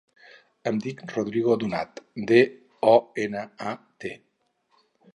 Em dic Rodrigo Donat: de, o, ena, a, te.